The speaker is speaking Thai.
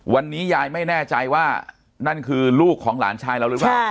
วันนี้ยายไม่แน่ใจว่านั่นคือลูกของหลานชายเราหรือเปล่า